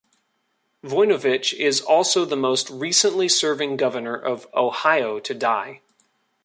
Voinovich is also the most recently serving Governor of Ohio to die.